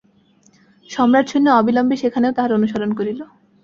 সম্রাটসৈন্য অবিলম্বে সেখানেও তাঁহার অনুসরণ করিল।